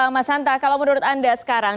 mas hanta kalau menurut anda sekarang